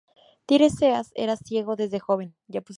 Tiresias era ciego desde joven.